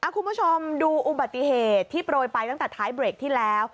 คุณผู้ชมดูอุบัติเหตุที่โปรยไปตั้งแต่ท้ายเบรกที่แล้ว